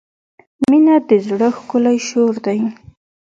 • مینه د زړۀ ښکلی شور دی.